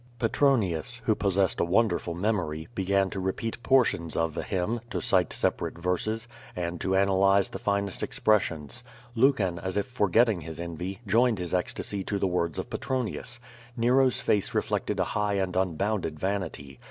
Petronius, who possessed a wonderful memory, began to repeat portions of the hymn, to cite separate versee^ and to analyze the finest expressions. Lucan, as if forgetting his envy, joined his ecstasy to the words of Petronius. Nero's face reflected a high and unbounded vanity.